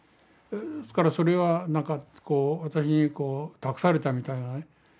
ですからそれはなんかこう私に託されたみたいなね。